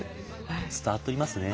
伝わっておりますね。